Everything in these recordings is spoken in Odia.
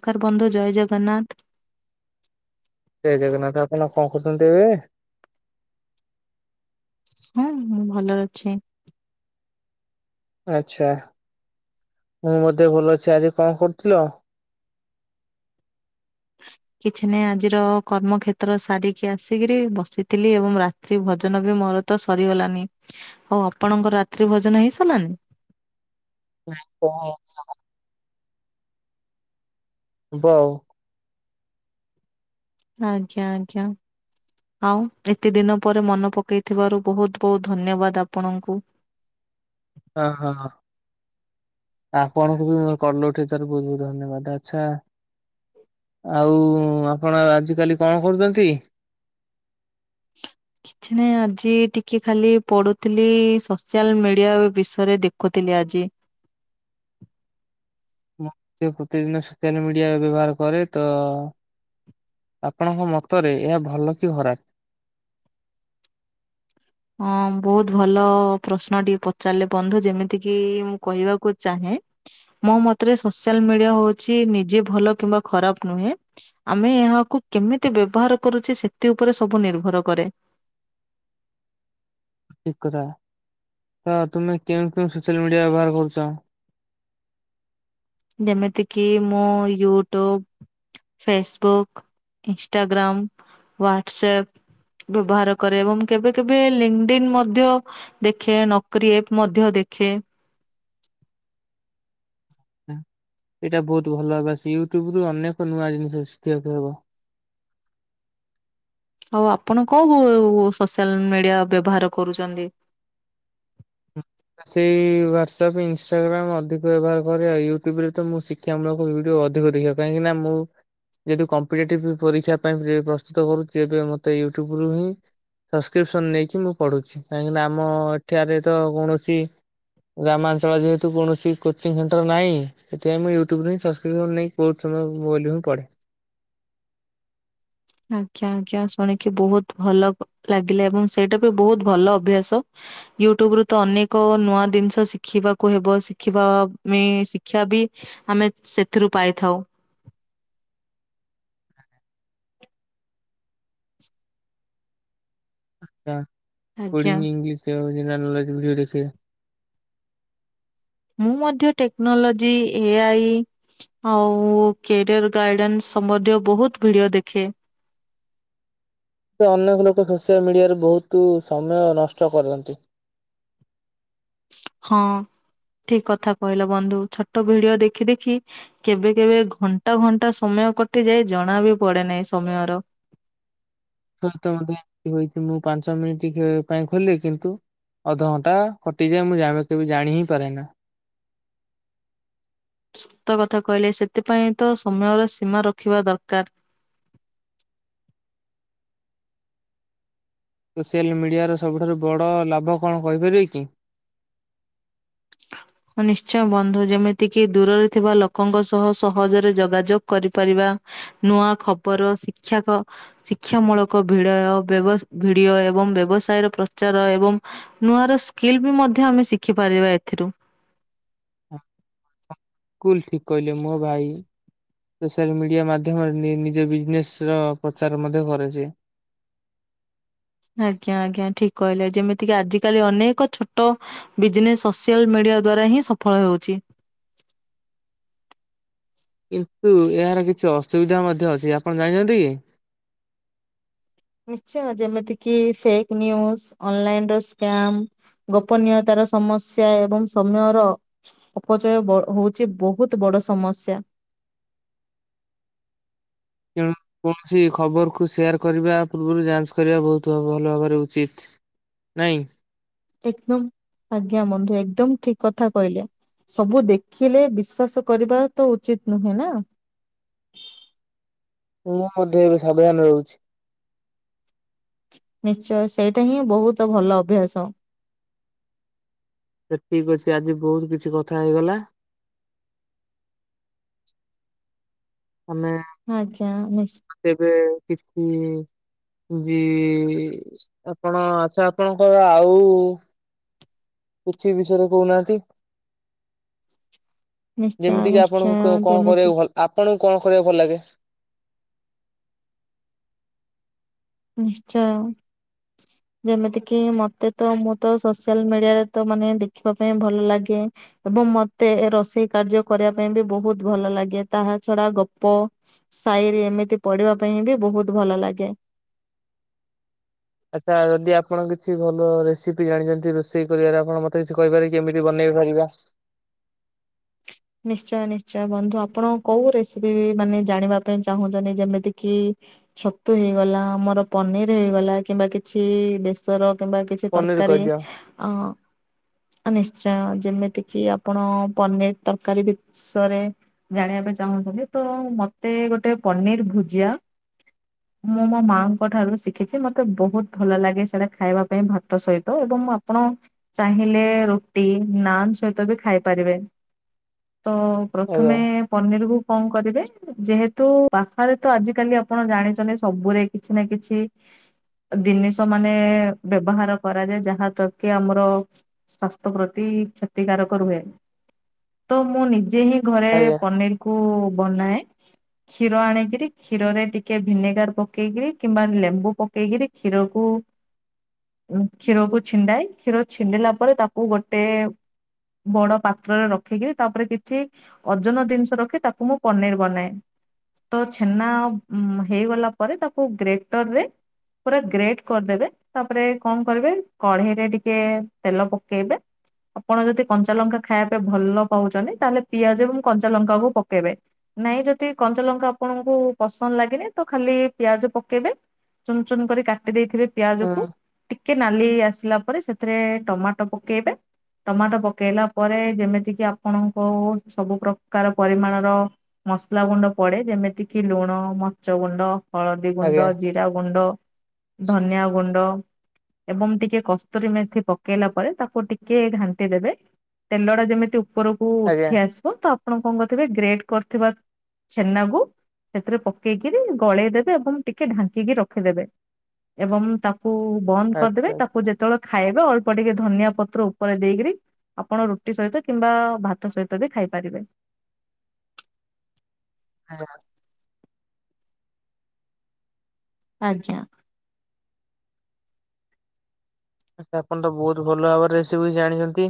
ସ୍କାର ବନ୍ଧୁ ଜୟ ଜଗନ୍ନାଥ। ଜୟ ଜଗନ୍ନାଥ ଆପଣ କଣ କରୁଛନ୍ତି ଏବେ? ହଁ ମୁଁ ଭଲରେ ଅଛି। ଆଛା ମୁଁ ବୋଧେ ଭଲ ଅଛି ଆଜି କଣ କରୁଥିଲ? କିଛି ନାହିଁ ଆଜିର କର୍ମକ୍ଷେତ୍ର ସାରିକି ଆସିକିରି ବସିଥିଲି ଏବଂ ରା ତ୍ରି ଭଜନ ବି ମୋର ତ ସରିଗଲାନି। ଆଉ ଆପଣଙ୍କ ରାତ୍ରି ଭୋଜନ ହେଇ ସାରିଲାନି? ନାଇ କଣ ଏରା ହ ହ। ବଉ। ଆଜ୍ଞା ଆଜ୍ଞା। ଆଉ ଏତେ ଦିନ ପରେ ମନ ପକେଇଥିବାରୁ ବହୁତ୍ ବହୁତ୍ ଧନ୍ୟବାଦ ଆପଣଙ୍କୁ। ହଁ ହଁ ହଁ ଆପଣଙ୍କୁ ବି କଲୁ ଉଠିଥର ବହୁତ ବହୁତ ଧନ୍ୟବାଦ, ଆଛା। ଆଉ ଆପଣ ଆଜିକାଲି କଣ କରୁଛନ୍ତି? କିଛି ନାଇଁ ଆଜି ଟିକେ ଖାଲି ପଢୁଥିଲି ସୋସିଆଲ ମିଡିଆ ବିଷୟରେ ଦେଖୁଥିଲି ଆଜି। ମୁଁ ପ୍ରତିଦିନ ସୋସିଆଲ ମିଡିଆ ବ୍ୟବହାର କରେ ତ ଆପଣଙ୍କ ମତରେ ଏହା ଭଲ କି ଖରାପ। ହଁ ବହୁତ ଭଲ ପ୍ରଶ୍ନ ଟିକେ ପଚାରିଲେ ବନ୍ଧୁ, ଯେମିତିକି ମୁଁ କହିବାକୁ ଚାହେଁ। ମୋ ମତରେ ସୋସିଆଲ ମିଡିଆ ହଉଛି ନିଜେ ଭଲ କିମ୍ବା ଖରାପ ନୁହେଁ। ଆମେ ଏହାକୁ କେମିତି ବ୍ୟବହାର କରୁଛେ, ସେଥି ଉପରେ ସବୁ ନିର୍ଭର କରେ। ଠିକ କଥା, ତ ତୁମେ କେଉ କେଉ ସୋସିଆଲ ମିଡିଆ ବ୍ୟବହାର କରୁଛ? ଯେମିତିକି ମୁଁ ୟୁଟ୍ୟୁବ। Facebook, ଇନ୍ଷଗ୍ରାମ, WhatsApp. ବ୍ୟବହାର କରେ ଏବଂ କେବେ କେବେ ଲିଙ୍ଗଡିନ୍ ମଧ୍ୟ ଦେଖେ, ନକରି ମଧ୍ୟ ଦେଖେ। ଏଇଟା ବହୁତ ଭଲ ଅଭ୍ୟାସ, ୟୁଟ୍ୟୁବ ରୁ ଅନେକ ନୂଆ ଜିନିଷ ଶିଖିବାକୁ ହବ। ଆଉ ଆପଣ କଉ କୋ ସୋସିଆଲ ମିଡିଆ ବ୍ୟବହାର କରୁଛନ୍ତି? ସେଇ ହ୍ୱାଟସଆପ୍, ଇନଷ୍ଟାଗ୍ରାମ ଅଧିକ ବ୍ୟବହାର କରେ ଆଉ ୟୁଟୁବ ରେ ତ ମୁଁ ଶ [unintelligible] ଅଧିକ ଦେଖେ କାହିଁକି ନା ମୁଁ ଯଦି କମ୍ପିଟେଟିଭ ପରୀକ୍ଷା ପାଇଁ ପ୍ରସ୍ତୁତ କରୁଛି, ଏବେ ମତେ ୟୁଟ୍ୟୁବ ରୁ ହିଁ ସବସ୍କ୍ରିପସନ ନେଇକି ମୁଁ ପଢୁଛି, କାହିଁକିନା ଆମ ଏଠାରେ ତ କୌଣସି ଗ୍ରାମାଞ୍ଚଳ ଯେହେତୁ, କୌଣସି କୋଚିଂ ସେଣ୍ଟର ନାହିଁ, ସେଥିପାଇ ମୁଁ ୟୁଟ୍ୟୁବ ହିଁ ସବସ୍କ୍ରିପସନ୍ କରି ନେଇଁ କଉଠ ସମୟ ବ ବୋଲିିଁ ପଢ଼େ। ଆଜ୍ଞା ଆଜ୍ଞା, ଶୁଣିକି ବହୁତ ଭଲ ଲାଗିଲା ଏବଂ ସେଇଟା ବି ବହୁତ ଭଲ ଅଭ୍ୟାସ। ୟୁଟ୍ୟୁବ ରୁ ତ ଅନେକ ନୂଆ ଜିନିଷ ଶିଖିବାକୁ ହେବ, ଶିଖିବା ଶି୍ଷା ବି ଆମେ ସେଥିରୁ ପାଇଥାଉ। ଆଛା, ଆଜ୍ଞା କୋଡିଂ ଇଂଲିଶ ଜେନର ନଲେଜ୍ଖ ମୁଁ ମଧ୍ୟ ଟେକ୍ନୋଲୋଜି, ଏ ଆଇ ଆଉ କ୍ୟାରିୟର ଗାଇଡେନ୍ସ ସମ୍ବନ୍ଧୀୟ ବହୁତ ଭିଡିଓ ଦେଖେ। ସେ ଅନେକ ଲୋକ ସୋସିଆଲ ମିଡିଆରେ ବହୁତ ସମୟ ନଷ୍ଟ କରନ୍ତି। ହଁ ଠିକ କଥା କହିଲ ବନ୍ଧୁ, ଛୋଟ ଭିଡିଓ ଦେଖି ଦେଖି କେବେ କେବେ ଘଣ୍ଟା ଘଣ୍ଟା ସମୟ କଟିଯାଏ, ଜଣା ବି ପଡେ ନାହିଁ ସମୟର ସତଛି ମୁଁ ପାଞ୍ଚ ମିନିଟ୍ ପାଇଁ ଖୋଲି କିନ୍ତୁ ଅଧଘଣ୍ଟା ହଟିଯାଏ, ମୁଁ ଜାଣ କେବେ ଜାଣି ହିଁ ପାରେ ନା। ସତ କଥା କହିଲେ, ସେଥିପାଇଁ ତ ସମୟର ସୀମା ରଖିବା ଦରକାର। ସୋସିଆଲ ମିଡିଆର ସବୁଠାରୁ ବଡ ଲାଭ କଣ କହିପାରିବେ କି? [inaudible] ହଁ ନିଶ୍ଚୟ ବନ୍ଧୁ, ଯେମିତି କିି ଦୂରରେ ଥିବା ଲୋକଙ୍କ ସହ ସହଜରେ ଯୋଗାଯୋଗ କରିପାରିବା। ନୂଆ ଖବର, ଶିକ୍ଷକ ଶିକ୍ଷା ମୂଳକ ଭିଡ ବ୍ୟବ ଭିଡିଓ ଏବଂ ବ୍ୟବସାୟର ପ୍ରଚାର ଏବଂ ନୂଆ ର ସ୍କିଲ୍ ବି ମଧ୍ୟ ଆମେ ଶିଖିପାରିବା ଏଥିରୁ ସ୍କୁଲ ଶି କହିଲ ମୋ ଭାଇ ସୋସିଆଲ ମିଡିଆ ମାଧ୍ୟମରେ ନିଜ ବିଜନେସ ର ପ୍ରଚାର ମଧ୍ୟ କରେଛ। ଆଜ୍ଞା ଆଜ୍ଞା ଠିକ କହିଲେ, ଯେମିତିକି ଆଜିକାଲି ଅନେକ ଛୋଟ ବିଜନେସ୍ ସୋସିଆଲ ମିଡିଆ ଦ୍ଵାରା ହିଁ ସଫଳ ହେଉଛି। କିନ୍ତୁ, ଏହାର କିଛି ଅସୁବିଧା ମଧ୍ୟ ଅଛି, ଆପଣ ଜାଣିଛନ୍ତି କି? ନିଶ୍ଚୟ ଯେମିତିକି ଫେକ୍ ନିଉଜ, ଅନଲାଇନ ର ସ୍କାମ ଗୋପନୀୟତାର ସମସ୍ୟା ଏବଂ ସମୟର ଅପଚୟ ବ ହଉଛି ବହୁତ ବଡ ସମସ୍ୟା। କଣ? କୌଣସି ଖବର କୁ ସେୟାର କରିବା ପୂର୍ବରୁ ଯାଞ୍ଚ କରିବା ବହୁତ ଭଲ ଭାବରେ ଉଚିତ୍। ନାଇଁ। ଏକଦମ ଆଜ୍ଞା ମନ୍ଧୁ। ଏକଦମ ଠିକ୍ କଥା କହିଲେ। ସବୁ ଦେଖିଲେ ବିଶ୍ବାସ କରିବା ତ ଉଚିତ ନୁହେଁ ନା। ମୁଁ ମଧ୍ୟ ଏବେ ସାବଧାନ ରହୁଛି। ନିଶ୍ଚୟ, ସେଇଟା ହିଁ ବୋହୁତ୍ ଭଲ ଅଭ୍ୟାସ। ସେ ଠିକ୍ ଅଛି ଆଜି ବୋହୁତ୍ କିଛି କଥା ହେଇଗଲା। ଆମେ ଆଜ୍ଞା। ନିଶ୍ଚ ତେବେ କିଛି ବି ଆପଣ ଆଚ୍ଛା ଆପଣଙ୍କ ଆଉ କିଛି ବିଷୟରେ କହୁନାହାନ୍ତି। ନିଶ୍ଚୟ ଯେମିତି କିି ନିଶ୍ଚୟ ଆପଣଙ୍କୁ କଣ ଯେମିତି କରିବାକୁ ଭଲ, ଆପଣଙ୍କୁ କଣ କରିବାକୁ ଭଲ ଲାଗେ? ନିଶ୍ଚୟ। ଯେମିତିକି ମତେ ତ ମୁଁ ତ ସୋସିଆଲ ମିଡିଆରେ ତ ମାନେ ଦେଖିବା ପାଇଁ ଭଲ ଲାଗେ ଏବଂ ମତେ ରୋଷେଇ କାର୍ଯ୍ୟ କରିବା ପାଇଁ ବି ବୋହୁତ୍ ଭଲ ଲାଗେ। ଏବଂ ତାହା ଛଡା ଗପ ସାଏରି ଏମିତି ପଢିବା ପାଇଁ ବି ବହୁତ ଭଲ ଲାଗେ। ଆଚ୍ଛା ଯଦି ଆପଣ କିଛି ଭଲ ରେସିପି ଜାଣିଛନ୍ତି ରୋଷେଇ କରିବାରେ ଆପଣ ମତେ କିଛି କହିହପାର କି କେମିତି ବନେଇ ପାରିବା? ନିଶ୍ଚୟ ନିଶ୍ଚୟ, ବନ୍ଧୁ ଆପଣ କୋଉ ରେସିପି ମାନେ ଜାଣିବା ପାଇଁ ଚାହୁଁଛନ୍ତି ଯେମିତି କିି ଛତୁ ହେଇଗଲା, ଆମର ପନିର ହେଇଗଲା, କିମ୍ବା କିଛି ବେସର କିମ୍ବା କିଛି ପନିର ତରକାରୀ କହିଦିଅ ଅ ନିଶ୍ଚୟ, ଯେମିତି କିି ଆପଣ ପନିର ତରକାରୀ ବିଷରେ ଜାଣିବା ପାଇଁ ଚାହୁଁଛନ୍ତି ତ ମତେ ଗୋଟେ ପନିର ଭୁଜିଆ ମୁଁ ମୋ ମାଆଙ୍କ ଠାରୁ ଶିଖିଛି। ମତେ ବହୁତ ଭଲ ଲାଗେ ସେଟା ଖାଇବା ପାଇଁ ଭାତ ସହିତ, ଏବଂ ଆପଣ ଚାହିଁଲେ ରୁଟି ନାନ୍ ସହିତ ବି ଖାଇପାରିବେ। ତ ପ୍ରଥମେ ଆଜ୍ଞା ପନିର୍ କୁ କଣ କରିବେ, ଯେହେତୁ ପାଖରେ ତ ଆଜିକାଲି ଆପଣ ଜାଣିଛନ୍ତି ସବୁରେ କିଛି ନା କିଛି ଜିନିଷ ମାନେ ବ୍ୟବହାର କରାଯାଏ ଯାହାତାର କି ଆମର ସ୍ଵାସ୍ଥ୍ୟ ପ୍ରତି କ୍ଷତିକାରକ ରୁହେ। ତ ମୁଁ ନିଜେ ହିଁ ଘରେ ଆଜ୍ଞା ପନିର କୁ ବନାଏ। କ୍ଷୀର ଆଣିକିରି କ୍ଷୀରରେ ଟିକିଏ ଭିନେଗାର ପକେଇକିରି କିମ୍ବା ଲେମ୍ବୁ ପକେଇକିରି କ୍ଷୀରକୁ ହ [inaudible] କ୍ଷୀରକୁ ଛିଣ୍ଡାଏ, କ୍ଷୀର ଛିଣ୍ଡିଲା ପରେ ତାକୁ ଗୋଟେ ବଡ଼ ପାତ୍ରରେ ରକ୍ ରଖିକିରି ତାପରେ କିଛି ଓଜନ ଜିନିଷ ରଖି ତାକୁ ମୁଁ ପନିର୍ ବନାଏ। ତ ଛେନା ଉଁ ହେଇଗଲା ପରେ ତାକୁ ଗ୍ରେଟର ରେ ପୁରା ଗ୍ରେଟ୍ କରିଦେବେ ତାପରେ କଣ କରିବେ, କଢେଇରେ ଟିକେ ତେଲ ପକେଇବେ ଆପଣ ଯଦି କଞ୍ଚା ଲଙ୍କା ଖାଇବା ପାଇଁ ଭଲ ନ ପାଉଛନ୍ତି, ତାହେଲେ ପିଆଜ ଏବଂ କଞ୍ଚା ଲଙ୍କା କୁ ପକେଇବେ। ନାଇଁ ଯଦି କଞ୍ଚା ଲଙ୍କା ଆପଣଙ୍କୁ ପସନ୍ଦ ଲାଗିନି ତ ଖାଲି ପିଆଜ ପକେଇବେ ଚୁନ୍ ଚୁନ୍ କରି କାଟି ଦେଇେଥିବେ ହୁଁ ପିଆଜକୁ ଟିକେ ନାଲି ଆସିଲା ପରେ ସେଥିରେ ଟମାଟୋ ପକେଇବେ ଟମାଟୋ ପକେଇଲା ପରେ ଯେମିତିକି ଆପଣଙ୍କୋ ସବୁ ପ୍ରକାର ପରିମାଣର ମସଲା ଗୁଣ୍ଡ ପଡେ ଯେମିତି କି ଲୁଣ, ମର୍ଚି ଗୁଣ୍ଡ, ହଳଦୀ ଆଜ୍ଞା ଗୁଣ୍ଡ, ଜି ଜିରା ଗୁଣ୍ଡ, ଧନିଆ ଗୁଣ୍ଡ ଏବଂ ଟିକେ କସ୍ତୁରୀ ମେଥି ପକେଇଲା ପରେ ତାକୁ ଟିକେ ଘାଣ୍ଟି ଦେବେ, ତେଲଟା ଯେମି ଉପରକୁ ଆଜ୍ଞା। ଉଠି ଆସିବ ତ ଆପଣ କଣ କରିଥିବେ ଗ୍ରେଟ କରିଥିବା ଛେନାକୁ ସେଥିରେ ପକେଇ କିରି ଗଳେଇ ଦବେ ଏବଂ ଟିକେ ଢାଙ୍କିକି ରଖିଦେବେ। ଏବଂ ତାକୁ ବନ୍ଦ କରିଦେବେ ଆଚ୍ଛା ଆଚ୍ଛା ତାକୁ ଯେତେବେଳେ ଖାଇବେ ଅଳ୍ପ ଟିକେ ଧନିଆ ପତ୍ର ଉପରେ ଦେଇକିରି ଆପଣ ରୁଟି ସହିତ କିମ୍ବା ଭାତ ସହିତ ବି ଖାଇପାରିବେ। ଆଜ୍ଞା। ଆଜ୍ଞା। ତ ଆପଣ ତ ବହୁତ ଭଲ ଭାବରେ ରେସିପି ଜାଣିଛନ୍ତି।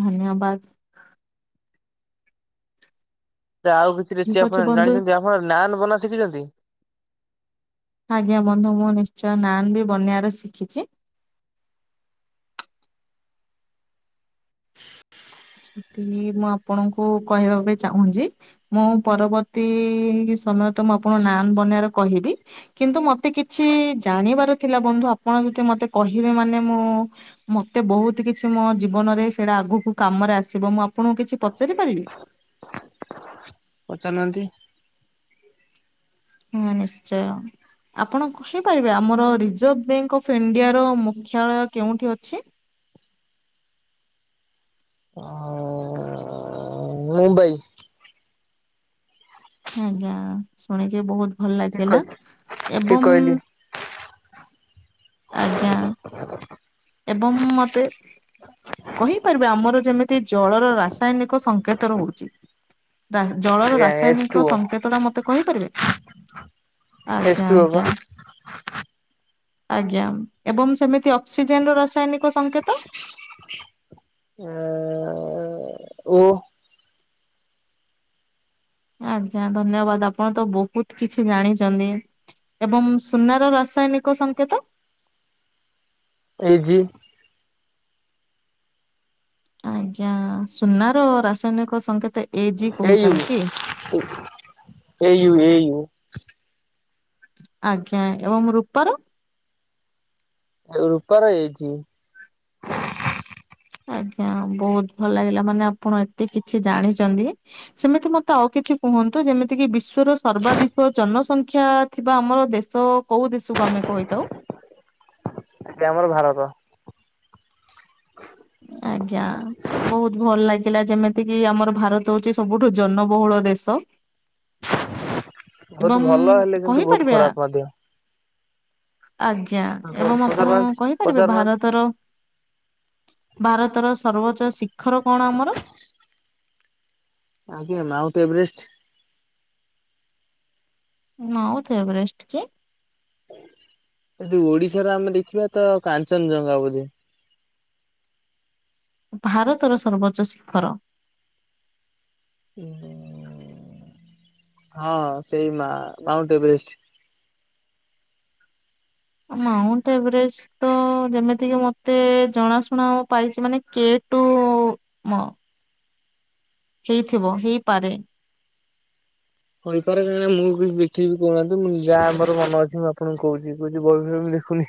ଧନ୍ୟବାଦ। ସେ ଆଉ କିଛି ଠିକ ରେସିପି ଅଛି ଆପଣ ବନ୍ଧୁ ଜାଣିଛନ୍ତି, ଆପଣ ନାାନ ବନା ଶିଖିଛନ୍ତି? ଆଜ୍ଞା ବନ୍ଧୁ ମୁଁ ନିଶ୍ଚୟ ନାନ୍ ବି ବନେୟାର ଶିଖିଛି। [inaudible] ଏତିକି ମୁଁ ଆପଣଙ୍କୁ କହିବା ପାଇଁ ଚାହୁଁଚି ମୁଁ ପରବର୍ତ୍ତୀ ସମୟ ତ ମୁଁ ଆପଣଙ୍କୁ ନାନ୍ ବନେଇବାର କହିବି କିନ୍ତୁ ମତେ କିଛି ଜାଣିବାର ଥିଲା ବନ୍ଧୁ ଆପଣ ଯଦି ମତେ କହିବେ ମାନେ ମୁଁ ମତେ ବହୁତ କିଛି ମୋ ଜୀବନରେ ସେଇଟା ଆଗକୁ କାମରେ ଆସିବ ମୁଁ ଆପଣଙ୍କୁ କିଛି ପଚାରି ପାରିବି? ପଚାରୁନାହାନ୍ତି। ହଁ ନିଶ୍ଚୟ। ଆପଣ କହିପାରିବେ ଆମର ରିଜର୍ଭ ବ୍ୟାଙ୍କ ଅଫ୍ ଇଣ୍ଡିଆର ମୁଖ୍ୟାଳୟ କେଉଁଠି ଅଛି? ହଁ ମୁମ୍ବାଇ। ଆଜ୍ଞା ଶୁଣିକି ବହୁତ ଭଲ ଠିକ ଲାଗିଲା, ଠିକ ଏବଂ କହିଲି ଆଜ୍ଞା, ଏବଂ ମତେ କହିପାରିଵେ? ଆମର ଯେମିତି ଜଳର ରାସାୟନିକ ସଂକେତ ରହୁଛି ଜଳର ଆଜ୍ଞା ଏଚ ଟୁ ରାସାୟନିକ ଓ ସଂଙ୍କେତଟା ମୋତେ କହିପାରିବେ? ଏଚ ଆଜ୍ଞା ଟୁ ଓ ପା। ଆଜ୍ଞା। ଆଜ୍ଞା ଏବଂ ସେମିତି ଅକ୍ସିଜେନ ର ରାସାୟନିକ ସଂକେତ? ଆଁ ଆଜ୍ଞା ଧନ୍ୟବାଦ ଆପଣ ତ ବହୁତୁ କିଛି ଜାଣିଛନ୍ତି। ଏବଂ ସୁନାର ରାସାୟନିକ ସଂଙ୍କେତ? ଏଇ ଜି। ଆଜ୍ଞା ସୁନା ର ରାସାୟନିକ ସଙ୍କେତ ଏ ଗି ଏୟୁ କହୁଛନ୍ତୁ ଏୟୁ ଏୟୁ ଆଜ୍ଞା ଏବଂ ରୂପାର? ଏଉ ରୂପାର ଏ ଜି ଆଜ୍ଞା ବହତୁ ଭଲ ଲାଗିଲା ମାନେ ଆପଣ ଏତେ କିଛି ଜାଣିଚନ୍ତି। ସେମିତି ମତେ ଆଉ କିଛି କୁହନ୍ତୁ ଯେମିତି କିି ବିଶ୍ଵର ସର୍ବାଧିକ ଜନସଂଖ୍ୟା ଥିବା ଆମର ଦେଶ କୋଉ ଦେଶକୁ ଆମେ କହିଥାଉ। ଏବେ ଆମର ଭାରତ ଆଜ୍ଞା। ବହୁତ ଭଲ ଲାଗିଲା ଯେମିତି କିି ଆମର ଭାରତ ହଉଛି ସବୁଠୁ ଜନବହୁଳ ଦେଶ। ଏବଂ ବହୁତୁ ଭଲ ହେଲେ କିନ୍ତୁ ବହୁତୁ କହିପାରିବେ ଆ- ଖରାପ ମଧ୍ୟ ଆଜ୍ଞା ଏବଂ ଆପଣ ପଚାରୁନାହାନ୍ତି କହିପାରିବେ? ପଚାରୁନାହାନ୍ତି। ଭାରତର ଭାରତର ସର୍ବୋଚ୍ଚ ଶିଖର କଣ ଆମର? ଆଜ୍ଞା ମାଉଣ୍ଟ ଏଭରେଷ୍ଟ। ମାଉଣ୍ଟ ଏଭରେଷ୍ଟ କି? ଯଦି ଓଡିଶାର ଆମେ ଦେଖିବା ତ କାଞ୍ଚନଜଙ୍ଘା ବୋଧେ ଭାରତର ସର୍ବୋଚ୍ଚ ଶିଖର ହଁ ସେଇ ମା ମାଉଣ୍ଟ ଏଭରେଷ ମାଉଣ୍ଟ ଏଭରେଷ୍ଟ ତ ଯେମିତିକି ମତେ ଜଣାଶୁଣା ପାଇଛି ମାନେ କେଟ [inaudible] ମ ହେଇଥିବ ହେଇପାରେ। କହିପାରେ କାହିଁକି ନା ମୁଁ କିଛି ଦେଖିବି କହୁନାହାନ୍ତି ମୁଁ ଯାହା ଆମର ମନେ ଅଛି ମୁଁ ଆପଣଙ୍କୁ କହୁଛି କହୁଛି ବହି ପହି ଦେଖୁନି।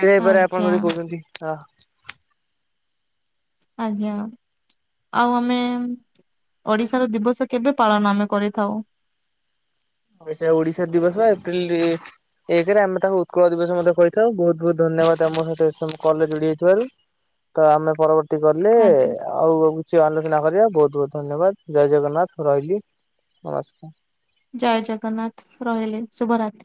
ହେଇପାରେ ଆପଣ ଆଜ୍ଞା ଯଦି କହୁଛନ୍ତି ହ ଆଜ୍ଞା। ଆଉ ଆମେ ଓଡିଶାର ଦିବସ କେବେ ପାଳନ ଆମେ କରିଥାଉ? ଓ ସେ ଓଡିଶାର ଦିବସ ଏପ୍ରିଲ ଏକେରେ ଆମେ ତାଙ୍କୁ ଉତ୍କଳ ଦିବସ ମଧ୍ୟ କହିଥାଉ ବହୁତୁ ବହୁତୁ ଧନ୍ୟବାଦ ଆମ ସହିତ କଲରେ ଯୋଡି ହୋଇଥିବାରୁ। ତ ଆମେ ପରବର୍ତ୍ତୀ ଗଲେ ଆଜ୍ଞା ଆଉ ଆଉ ଆଲୋଚନା କରିବା ବହୁତ୍ ବହୁତ୍ ଧନ୍ୟବାଦ ଜୟ ଜଗନ୍ନାଥ ରହିଲି ନମସ୍କାର। ଜୟ ଜଗନ୍ନାଥ ରହିଲି ଶୁଭରାତ୍ରି।